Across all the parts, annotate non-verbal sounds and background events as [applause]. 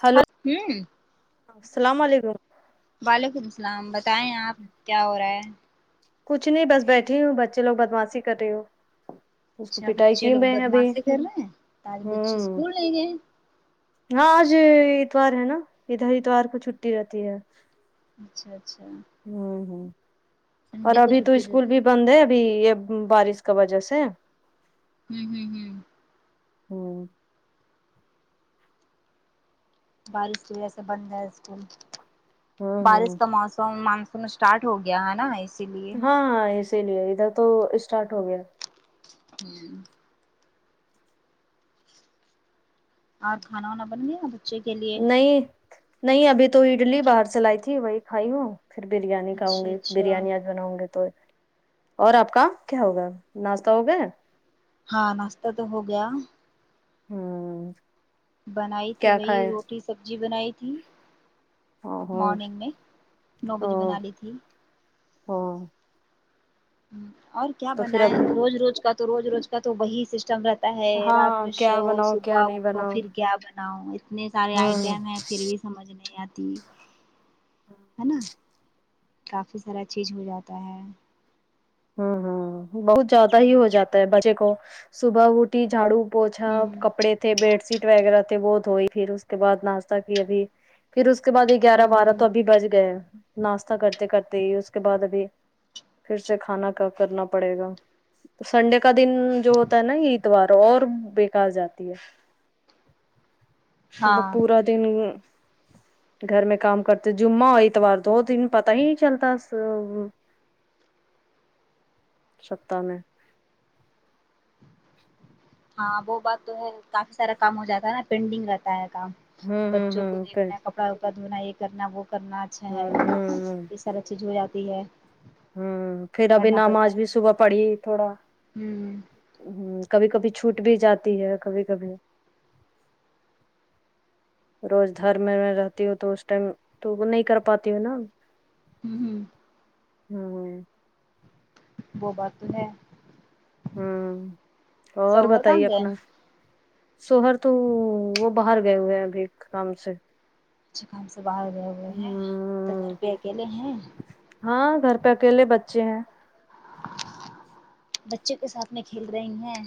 Hello ہوں السلام علیکم وعلیکم السلام بتائیں آپ کیا ہو رہا ہے کچھ نہیں بس بیٹھی ہوں بچے لوگ بدماشی کر رہے ہو اس کو اچھا پٹائی بچے کی لوگ میں ابھی بدماشی کر رہے ہیں آج بچے ہوں اسکول نہیں گئے ہیں ہاں آج اتوار ہے نا ادھر اتوار کو چھٹی رہتی ہے اچھا اچھا ہوں ہوں اور سنڈے کو ابھی تو چھٹی اسکول رہتی بھی بند ہے ابھی یہ بارش کا وجہ سے ہمم ہمم ہمم ہوں بارش کی وجہ بند ہے اسکول ہوں بارش ہوں کا موسم اسٹارٹ ہو گیا ہے نا اسی لیے ہاں اسی لیے ادھر تو اسٹارٹ ہو گیا ہمم اور کھانا وانا بن گیا بچے کے لیے نہیں نہیں ابھی تو اڈلی باہر سے لائی تھی وہی کھائی ہوں پھر بریانی کھاوں اچھا گی اچھا بریانی آج بناؤ گی تو اور آپ کا کیا ہوگیا ناشتہ ہو گیا ہاں ناشتہ تو ہو گیا ہاں بنائی تھی وہی روٹی سبزی بنائی تھی ہاں ہاں مارننگ میں نو بجے بنا لی تھی ہاں اور کیا تو پھر بنائے ابھی روز روز کا تو روز روز کا تو وہی سسٹم رہ تا ہے رات ہاں میں کیا شو بناؤ صبح کیا نہیں اٹھو بناؤ پھر گیا بناؤ اتنے سارے ہوں آئٹم ہیں پھر بھی سمجھ نہیں آتی ہے نا کافی سارا چیز ہو جاتا ہے ہوں ہوں بہت زیادہ ہی ہو جاتا ہے بچے کو صبح اٹ تی جھاڑو پوچا ہوں کپڑے تھے بیڈ شیٹ وغیرہ تھے وہ دھوئی پھر اس کے بعد ناشتہ کی ابھی پھر اس کے بعد گیارہ ہوں بارہ ہوں تو ابھی بج گئے ناشتہ کرتے کرتے ہی اس کے بعد ابھی پھر سے کھانا کم کرنا پڑے گا تو سنڈے کا دن جو ہوتا ہے نا اتوار اور بےیکار جاتی ہے مطلب ہاں پورا دن گھر میں کام کرتے جمعہ ہو اتوار دو دن پتا ہی چلتا سپتہ میں ہاں وہ بات تو ہے کافی سارا کام ہو جاتا ہے نا پینڈنگ رہتا ہے کام ہوں ہوں بچوں کو ہوں پھر دیکھنا کپڑا دھونا یہ کرنا وہ کرنا اچھا ہے ہوں ہوں یہ سارا چیز ہو جاتی ہے ہوں پھر ابھی کرنا پڑتا ہے نماز بھی صبح پڑھی تھوڑا ہوں ہمم کبھی کبھی چھوٹ بھی جاتی ہے کبھی کبھی روز دھر میں رہتی ہوں تو اس ٹائم تو وہ نہیں کر پاتی ہوں نا ہوں ہوں ہاں وہ بات تو ہے ہوں اور سو گھر کہاں بتائیے گئے اپنا سوہر تو وہ باہر گئے ہوئے ہیں ابھی کام سے اچھا کام سے باہر گئے ہوئے ہیں تو گھر ہ پہ اکیلے ہیں ہاں گھر پہ اکیلے بچے ہیں بچوں کے ساتھ میں کھیل رہی ہیں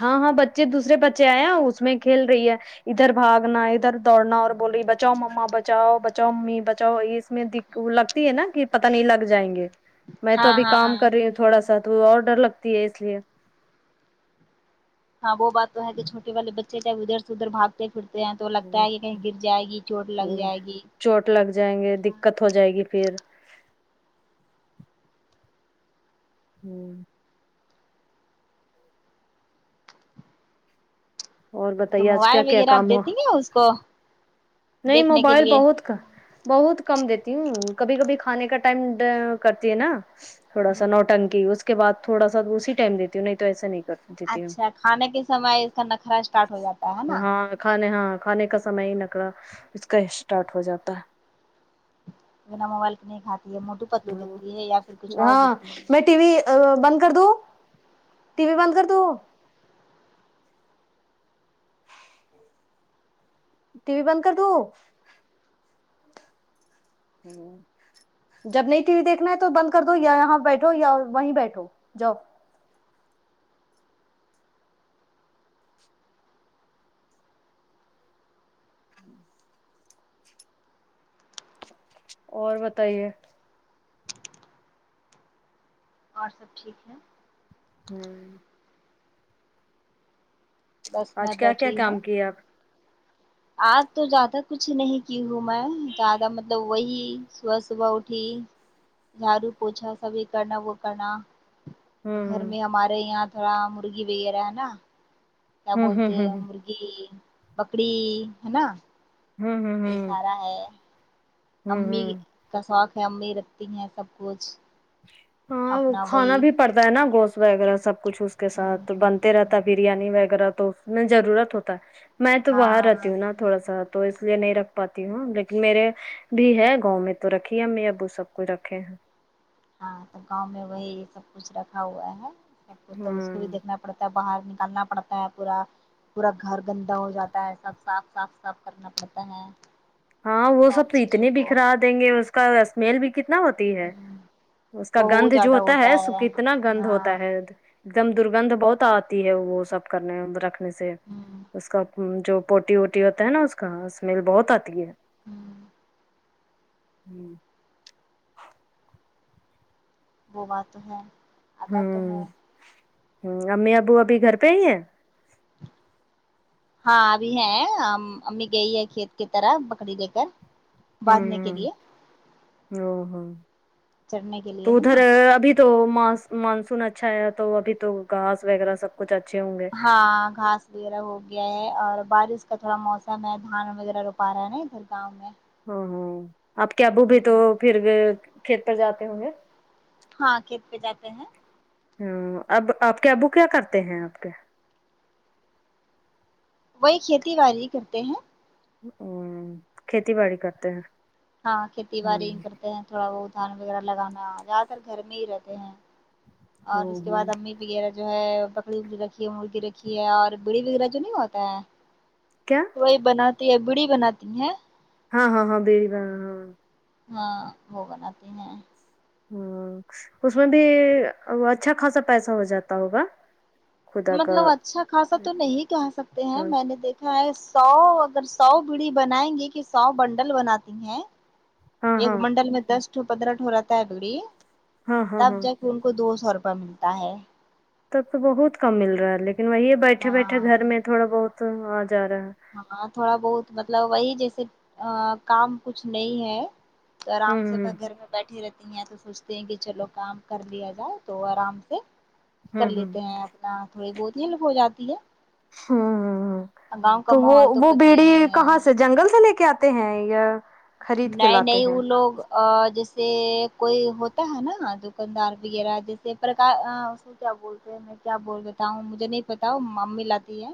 ہاں ہاں بچے دوسرے بچے آئے ہیں اس میں کھیل رہی ہے ادھر بھاگنا ادھر دوڑنا اور بول بچاؤ مما بچاؤ بچاؤ ممی بچاؤ اس میں د وہ لگتی ہے نا کہ پت نہیں لگ جائیں گے میں تو ہاں ابھی ہاں کام کر رہی ہوں تھوڑا سا تو وہ اور ڈر لگتی ہے اس لیے ہاں وہ بات تو ہے جو چھوٹے والے بچے ادھر سے ادھر باگ تے پھرتے ہیں تو لگتا ہے کہ کہیں گر جائے گی چوٹ لگ جائے گی چوٹ لگ جائیں گے دقت ہو جائے گی پھر ہوں اور تو بتائیے آج موبائل کیا کیا وغیرہ آپ کام ہو دیتی ہیںے اس کو نہیں دیکھنے کے موبائل لیے بہت کا بہت کم دیتی ہوں کبھی کبھی کھانے کا ٹائم کرتی ہے نا تھوڑا سا نوٹنکی اس کے بعد تھوڑا سا اسی ٹائم دیتی ہوں نہیں تو ایسا نہیں کرتی اچھا کھانے کے سمے اس کا نخرا اسٹارٹ ہو جاتا ہے نا ہاں کھانے ہاں کھانے کا سمے ہی نخرہ اس کا اسٹارٹ ہو جاتا ہے بنا موبائل کے نہیں کھاتی ہے موٹو پتلو ہ دیتی ہے یا پھر کچھ اور ہاں دیتی ہے میں ٹی وی بند کر دوں ٹی وی بند کر دوں ٹی وی بند کر دو ہوں جب نہیں ٹی وی دیکھنا ہے تو بند کر دو یا یہاں بیٹھو یا وہیں بیٹھو جاؤ ہی اور بتائیے اور سب ٹھیک ہے ہوں بس میں آج کیا کیا بیٹھی ہوں کام کیے آپ آج تو زیادہ کچھ نہیں کی ہوں میں زیادہ مطلب وہی صبح صبح اٹھی جھاڑو پوچھا سبھی کرنا وہ کرنا ہ گھر میں ہمارے یہاں تھوڑا مرغی وغیرہ ہے نا کیا ہ ہ بولتے ہ ہ ہ مرغی بکڑی ہے نا ہ یہ ہ سارا ہے ہ امی ہ کا شوق ہے امی رکھتی ہیں سب کچھ ہاں وہ اپنا کھانا وہی بھی پڑتا ہے نا گوشت وغیرہ سب کچھ اس کے ساتھ ہاں بنتے رہتا بریانی وغیرہ تو اس میں ضرورت ہوتا میں تو باہر رہتی ہاں ہوں نا تھوڑا سا تو اس لیے نہیں رکھ پاتی ہوں لیکن میرے بھی ہے گاؤں میں تو رکھی ہے امی ابو سب کوھ رکھے ہیں ہاں تو گاؤں میں وہی سب کچھ رکھا ہوا ہے سب اس کو بھی ہوں دیکھنا پڑتا ہے باہر نکالنا پڑتا ہے پورا پورا گھر گندا ہو جاتا ہے سب صاف صاف صاف کرنا پڑتا ہے ہاں وہ ساری سب تو چیزوں اتنے کو بکھرا دیں گے اس کا اسمیل بھی کتنا ہوتا ہے ہ اس کا گند جو ہوتا ہے س کتنا گند ہاں ہوتا ہے ایک دم درگندھ بہت آتی ہے وہ سب کرنے رکھنے سے ہوں اس کا جو پوٹی ووٹی ہوتا ہے نا اس کا اسمیل بہت آتی ہے ہوں ہوں ببا تو ہے آتا تو ہے ہمم امی ابو ابھی گھر پہ ہی ہیں [inaudible] ہاں ابھی ہے امی گئی ہے کھیت کی طرح بکڑی لے کر باندھنے کے ہمم لیے او ہو چڑھنے کے لیے تو ہے ادھر نا ابھی تو مانسون اچھا ہے تو ابھی تو گاس وغیرہ سب کچھ اچھے ہوں گے ہاں گھاس وغیرہ ہو گیا ہے اور بارش کا تھوڑا موسم ہے دھان وغیرہ ر پارن ہے درگاؤں میں ہاں ہاں آپ کے ابو بھی تو پھر کھیت پر جاتے ہوں گے ہاں کھیت پہ جاتے ہیں ہمم اب آپ کے ابو کیا کرتے ہیں آپ کے وہی کھیتی باڑی کرتے ہیں امم کھیتی باڑی کرتے ہیں ہاں کھیتی بڑی کر تھوڑا بہ دھان وغیرہ لگانا زیادہ تر گھر میں ہی رہتے ہیں ہ اور اس کے ہ بعد امی وغیرہ جو ہے بکری بھی رکھی ہے مرغی رکھی ہے اور بڑی وغیرہ جو نہیں ہوتا ہے کیا کوئی بناتی ہے بڑی بناتی ہیں ہاں ہاں ہاں دیوی بنانا ہاں وہ بناتی ہیں ہوں اس میں بھی اچھا خاصہ پیسہ ہو جاتا ہوگا خدا کا مطلب اچھا خاصہ تو نہیں کہہ سکتے ہیں میں ہاں نے دیکھ سو اگر سو بیڑی بنائیں گے کہ سو بنڈل بناتی ہیں ایک ہاں منڈل میں دس ٹو پندرہ ٹو رہتا ہے بیڑی ہاں ہاں تب ہاں جا کے ان کو دو سو روپے ملتا ہے تب تو بہت کم مل رہا ہے لیکن وہی بیٹھے بیٹھے گھر ہاں میں تھوڑا بہت آ جا رہا ہے ہاں تھوڑا بہت مطلب وہی جیسے کام کچھ نہیں ہے تو آرام سے ب ہوں گھر میں بیٹھی رہتی تو سوچتے ہیں کہ چلو کام کر لیا جائے تو آرام سے ہ کر ہوں لیتے ہیںپ نہ تھوڑی بہت ہی لک ہو جاتی ہے ہ ہوں گاؤں کا تو وہ ماحول وہ پتہ ہی بیڑی ہے کہاں سے جنگل سے لے کے آتے ہیں یا خرید کے نہیں لاتے نہیں ہیں وہ لوگ اور جیسے کوئی ہوتا ہے نا دکاندار وغیرہ جیسے پرک کیا بولتے میں کیا بول دیتا ہوں مجھے نہیں پتا ممی لاتی ہے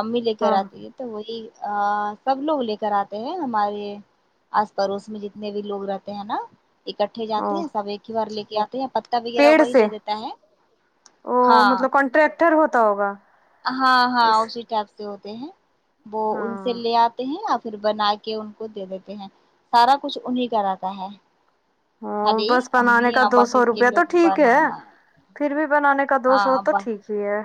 امی لے کر ہاں آتی ہے تو وہی سب لوگ لے کر آتے ہیں ہمارے آس پڑوس میں جتنے بھی لوگ رہتے ہیں نا اکٹھے او جاتے ہیں سب ایک ہی بار لے کے آتے ہیں پتکا وغیرہ پیڑ وہی سے دے دیتا ہے او ہاں مطلب کانٹریکٹر ہوتا ہوگا ہاں ہاں اس ا [unintelligible] بھی ہوتے ہیں وہ ان سے ہاں لے آتے ہیں یا پھر بنا کے ان کو دے دیتے ہیں سارا کچھ انہیں کا رہتا ہے ہمم خالی بس بنانے امی کا دو ابا سو کے کے روپیہ تو لوگ ٹھیک ہے بنانا پھر بھی بنانے کا دو ہاں سو تو ابا ٹھیک ہی ہے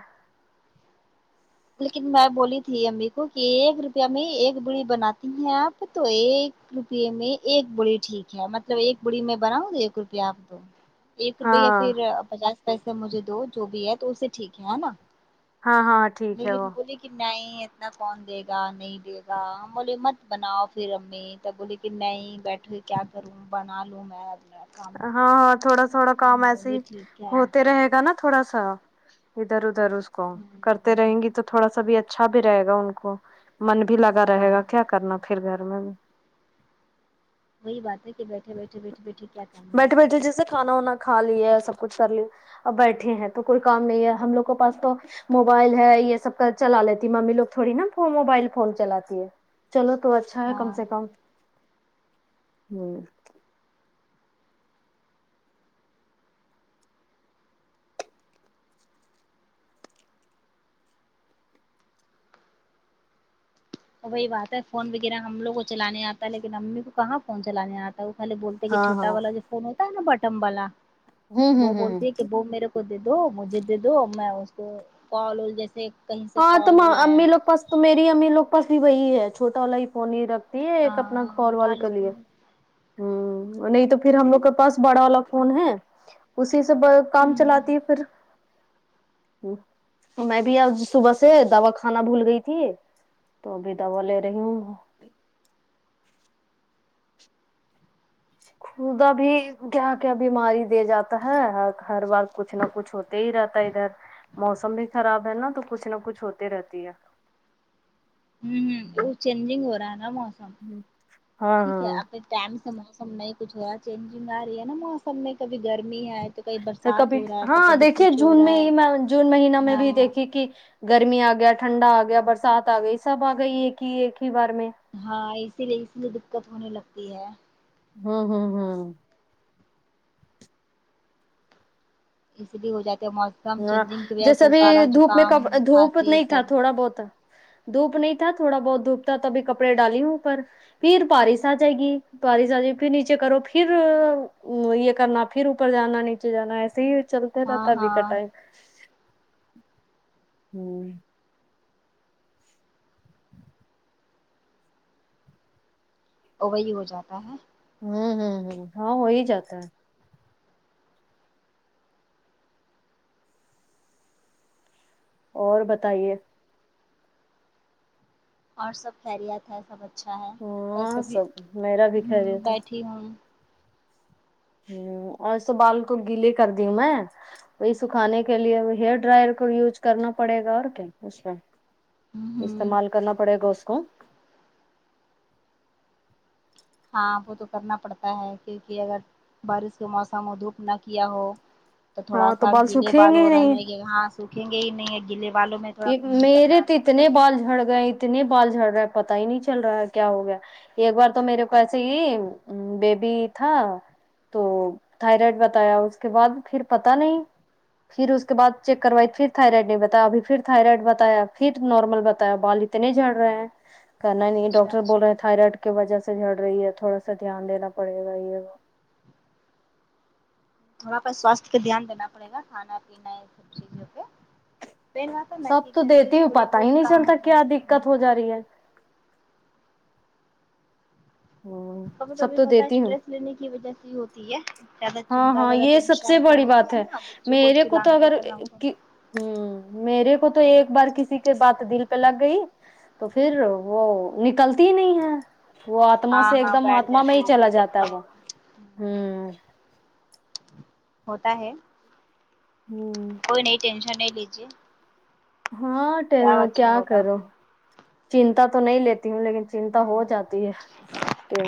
لیکن میں بولی تھی امی کو کہ ایک روپیہ میں ایک بیڑی بناتی ہیں آپ تو ایک روپے میں ایک بڑی ٹھیک ہے مطلب ایک بڑی میں بناؤں ایک روپیہ آپ دو [inaudible] ایک روپے یا ہاں پھر پچاس پیسے مجھے دو جو بھی ہے تو اس سے ٹھیک ہے ہے نا ہاں ہاں ٹھیک ہے وہ [unintelligible] کی نہیں اتنا کون دے گا نہیں دے گا ہم بولے مت بناؤ پھر امی تب بولی کی نہیں بیٹھو کیا کروں بنا لوں میں اب نے اب ہاں ہاں تھوڑا تھوڑا کام ایسے ہی ٹھیک ہے ہوتے رہے گا نا تھوڑا سا ادھر ادھر اس کو کر تے رہیں گی تو تھوڑا سا بھی اچھا بھی رہے گا ان کو من بھی لگا رہے ہاں گا کیا کرنا پھر گھر میں وہی بات ہے کے بیٹھے بیٹھے [unintelligible] ہے بیٹھے بیٹھے جیسے کھانا وانا کھا لیے ایسا کچھ کر لیے اب بیٹھے ہیں تو کوئی کام نہیں ہے ہم لوگ کو پاس تو موبائل ہے یہ سب کا چلا لیتی ممی لوگ تھوڑی نا پھون موبائل پھون چلاتی ہے چلو تو اچھا ہے کم ہاں سے کم ہمم تو وہی بات ہے فون وغیرہ ہم لوگ کو چلانے آتا ہے لیکن امی کو کہاں فون چلانے آتا تاؤ خالہ بولتے کی ہاں ہاں چھوٹا والا جو فون ہوتا ہے نا بٹم والا ہوں وہ ہوں ہوں بولتے ہے کی وہ میرے کو دے دو مجھے دے دو میں اس کو کال جیسے کہیں سے ہاں تو کال ما وال آیا امی لوگ پاس تو میری امی لوگ پاس بھی وہی ہے چھوٹا والا ہی فون ہی رکھ تی ہے ایک اپنا ہاں کال اٹھا وال کے لیتی لیے ہے ہمم نہیں تو پھر ہم لوگ کے پاس بڑا والا فون ہے اسی سے بے کام ہوں چلاتی ہے فیر میں بھی آج صبح سے دوا کھانا بھول گئی تھی تو ابھی دوا لے رہی ہوں خدا بھی کیا کیا بیماری دے جاتا ہے ہر بار کچھ نہ کچھ ہوتا تے ہی رہتا ہے ادھر موسم بھی خراب ہے نا تو کچھ نہ کچھ ہوتے رہتی ہے ہمم وہ چینجنگ ہو رہا ہے نا موسم ہاں ٹھیک ہے ہاں اب ٹائم سے موسم نہیں کچھ ہورا چینجنگ آ رہی ہے نا موسم میں کبھی گرمی ہے کبھی تو برسات کبھی ہو رہا ہے تو ہاں کبھی دیکھیے کچھ ہو جون میں رہا ہے ہی جون مہینہ میں بھی ہاں دیکھیی کی گرمی آ گیا ٹھنڈا آ گیا برسات آ گئی سب آ گئی ایک ہی ایک ہی بار میں ہاں اسی لیے اس لیے دقت ہونے لگتی ہے ہمم ہمم ہمم اس لیے ہو جاتے ہیں مو ہاں جیسے بھی دھوپ میں کب دھوپ کھانسی نہیں سب تھا تھوڑا بہت دھوپ نہیں تھا تھوڑا بہت دھوپ تھا تبھی کپڑے ڈالی ہوں اوپر پھر پارس آ جائے گی پارس آ جائے گی پھر نیچے کرو پھر یے کرنا پھر اوپر جانا نیچے جانا ایسے ہی چلتا ہاں رہتا ابھی کا ہاں ٹائم ہمم وہی ہو جاتا ہے آمم ہمم ہمم ہاں ہو ہی جاتا ہے اور بتائیے اور سب خیریت ہے سب اچھا ہے بس ہاں ابھی سب میرا بھی ہمم خیریت ہے بیٹھی ہوں ہمم اور سب بال کو گیلے کر دی ہوں میں وہی سکھانے کے لیے ہیئر ڈرائر کو یوج کرنا پڑے گا اور کیا اس کو ہ ہ استعمال کرنا پڑے گا اس کو ہاں وہ تو کرنا پڑتا ہے کیونکی اگر بارس کے موسم میں دھوپ نا کیا ہو تو تھوڑا ہاں سا گیلے سوکھیں بال گے ہو ہی نہیں رہنے یے ہا سکھیں گے ہی نہیں یے گیلے بالوں میں تھوڑا کم ہی میرے کرنا تو اتنے دقت۔ بال جھڑ گئے اتنے بال جھڑ رہے ہے پتا ہی نہیں چل رہا ہے کیا ہو گیا ایک بار تو میرے کو ایسے ہی بیبی تھا تو تھائرائڈ بتایا اس کے بعد پھر پتا نہیں پھر اس کے بعد چیک کروائی پھر تھائرائڈ نہیں بتا ابھی پھر تھائرائڈ بتایا پھر نارمل بتایا بال اتنے جھڑ رہے ہیں کرنا ہی نہیں اچھا ڈاکٹر بول اچھا رہے تھائرائڈ کی وجہ سے جڑ رہی ہے تھوڑا سا دھیان دینا پڑے گا یہ تھوڑا سا سواستھ پہ دھیان دیناپڑے گا کھانا پینا یہ سب چیزوں پہ پہنواتا نا سب کہ تو گھر کے دیتی ہوں تھوڑے پتا ہی بہت نہیں کام چلتا ہو کیا جائے دقت ہو جا رہی ہے ہ کبھی سب کبھی تو ہوتا ہے دیتی ہوں اسٹریس لینے کی وجہ سے ہی ہوتا زیادہ ہاں چنتا ہاں زیادہ یہ سب سے ٹینشن جو بڑی ہوتی بات ہے نا بچوں کو میرے تو چلانا ہی اگر کرنا ہوں میرے کو تو ایک بار کسی کے بات دل پہ لگ گئی تو پھر وہ نکلتی ہی نہیں ہے وہ آتما ہاں سے ایک ہاں دم بیٹھ آتما میں جاتی ہی چلا ہوگی جاتا ہے لگتا وہ ہوگا ہوں ہوتا ہے ہوں کوئی نہیں ٹینشن نہیں لیجیے ہاں سب ٹیلور اچھا کیا ہوگا کرو چنتا تو نہیں لیتی ہوں لیکن چنتا ہ ہو جاتی ہے کہ